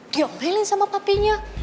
dioemelin sama papinya